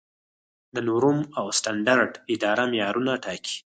د نورم او سټنډرډ اداره معیارونه ټاکي